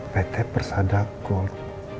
pt persada gold